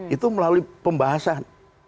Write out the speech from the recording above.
itu melalui pembahasan